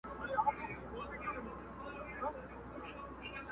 بس یو زه یم یو دېوان دی د ویرژلو غزلونو٫